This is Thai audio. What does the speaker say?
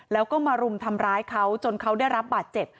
แล้วก็มารุมทำร้ายเขาจนเขาได้รับบาดเจ็บ